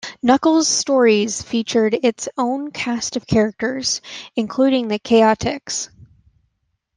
Knuckles' stories featured its own cast of characters, including the Chaotix.